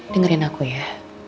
dengerin aku ya